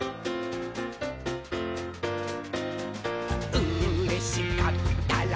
「うれしかったら」